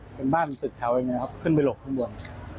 บนบ้านสุดแถวขึ้นไปหลบขึ้นบน